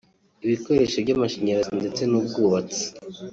ibikoresho by’amashyarazi ndetse n’ubwubatsi